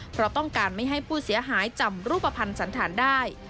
เพราะต้องการไม่ให้ผู้เสียหายจำรูปภัณฑ์สันธารได้